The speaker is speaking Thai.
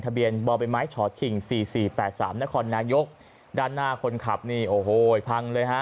ทะเบียนบอเบนไม้ฉอดถิ่ง๔๔๘๓นครนายกด้านหน้าคนขับนี่โอ้โหพังเลยฮะ